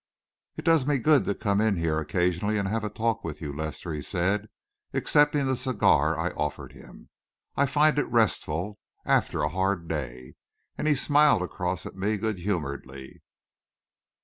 "It does me good to come in here occasionally and have a talk with you, Lester," he said, accepting the cigar I offered him. "I find it restful after a hard day," and he smiled across at me good humouredly.